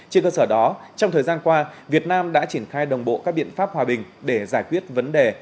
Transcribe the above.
trên cơ sở đó trong thời gian qua việt nam đã triển khai đồng bộ các biện pháp hòa bình để giải quyết vấn đề